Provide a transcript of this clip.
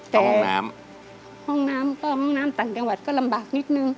แต่ห้องน้ำต่างจังหวัดก็ลำบากนิดนึง